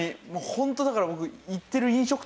ホントだから僕。